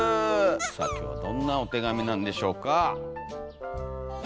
さあ今日はどんなお手紙なんでしょうかよっ！